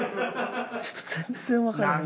ちょっと全然わからへん。